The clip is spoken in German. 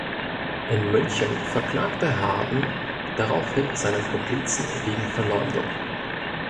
In München verklagte Harden daraufhin seinen Komplizen wegen Verleumdung.